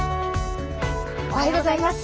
おはようございます。